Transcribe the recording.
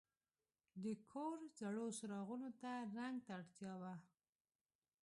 د کور زړو څراغونو ته رنګ ته اړتیا وه.